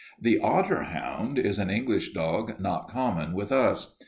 "The otter hound is an English dog not common with us.